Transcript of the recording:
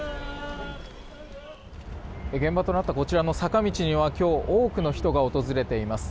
現場となったこちらの坂道には今日、多くの人が訪れています。